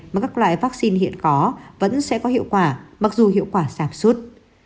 mà các loại vaccine hiện có vẫn sẽ có hiệu quả mặc dù hiệu quả sạp xuất